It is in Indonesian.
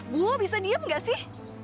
buo bisa diem gak sih